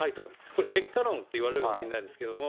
これ、結果論と言われるかもしれないですけれども。